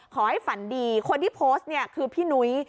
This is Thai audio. ฝันดีคนที่โพสต์เนี่ยคือพี่นุ้ย